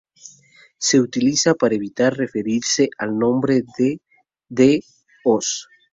Se utiliza para evitar referirse al nombre de D-os.